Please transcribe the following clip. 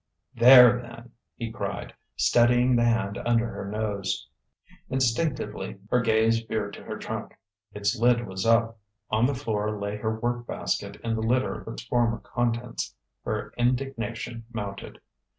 "There, then!" he cried, steadying the hand under her nose. Instinctively her gaze veered to her trunk. Its lid was up. On the floor lay her work basket in the litter of its former contents. Her indignation mounted.